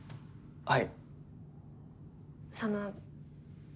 はい。